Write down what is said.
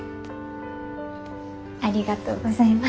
ありがとうございます。